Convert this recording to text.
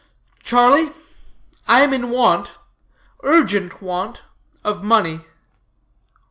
"Charlie, I am in want urgent want of money."